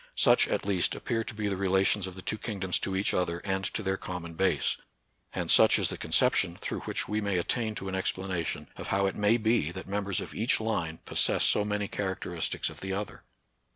Such, at least, appear to be the relations of the two kingdoms to each other and to their common base ; and such is the conception through which we may attain to an explanation of how it may be that mem bers of each line possess so many characteristics of the other.